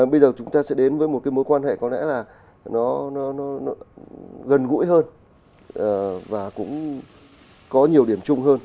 bây giờ chúng ta sẽ đến với một cái mối quan hệ có lẽ là nó gần gũi hơn và cũng có nhiều điểm chung hơn